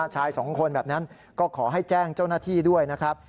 ชายสองคนแบบนั้นก็ขอให้แจ้งเจ้าหน้าที่ด้วยนะครับ